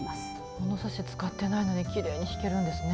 物差し使ってないのにきれいに引けるんですね。